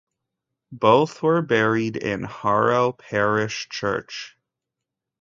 Both were buried in Harrow Parish Church.